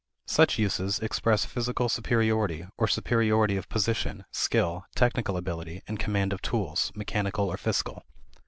Such uses express physical superiority, or superiority of position, skill, technical ability, and command of tools, mechanical or fiscal.